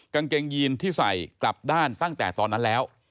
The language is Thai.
กางเกงยีนที่ใส่กลับด้านตั้งแต่ตอนนั้นแล้ว